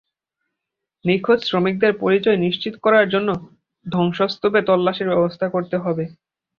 নিখোঁজ শ্রমিকদের পরিচয় নিশ্চিত করার জন্য ধ্বংসস্তূপে তল্লাশির ব্যবস্থা করতে হবে।